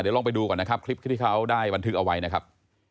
เดี๋ยวลองไปดูก่อนนะครับคลิปที่เขาได้บันทึกเอาไว้นะครับ